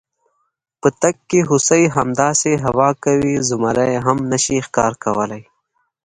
په تګ کې هوسۍ، همداسې هوا کوي، زمري یې هم نشي ښکار کولی.